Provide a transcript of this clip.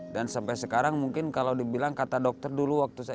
dan sampai sekarang mungkin kalau dibilang kata dokter dulu waktu saya